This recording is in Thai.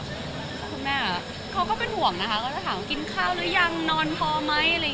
คุณแม่อ่ะเขาก็เป็นห่วงนะคะก็ถามกินข้าวหรือยังนอนพอไหมอะไรอย่างเงี้ย